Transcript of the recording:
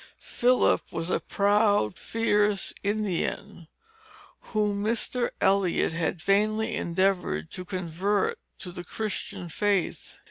Philip was a proud, fierce Indian, whom Mr. Eliot had vainly endeavored to convert to the Christian faith.